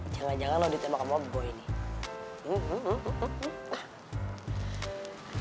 jangan jangan lo ditemukan sama boy nih